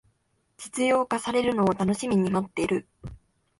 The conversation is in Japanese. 実用化されるのを楽しみに待ってる